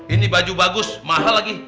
ini baju bagus mahal lagi